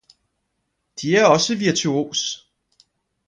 De er også virtuos!